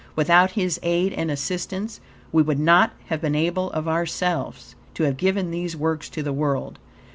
Without his aid and assistance we would not have been able, of ourselves, to have given these works to the world.